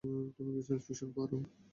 তুমি কি science fiction পড়ো?